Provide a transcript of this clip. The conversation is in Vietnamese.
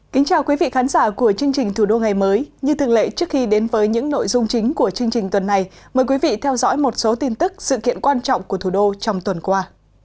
xin chào quý vị khán giả của chương trình thủ đô ngày mới như thường lệ trước khi đến với những nội dung chính của chương trình tuần này mời quý vị theo dõi một số tin tức sự kiện quan trọng của thủ đô trong tuần qua